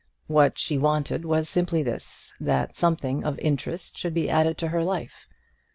What she wanted was simply this, that something of interest should be added to her life.